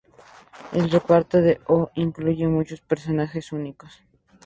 El reparto de "O" incluye muchos personajes únicos.